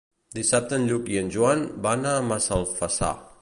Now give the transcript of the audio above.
Dissabte en Lluc i en Joan van a Massalfassar.